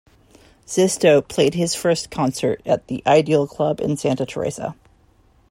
Xisto played his first concert at the Ideal Club in Santa Teresa.